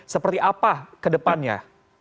seperti apa ke depannya